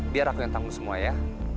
biar aku yang tanggung semua ya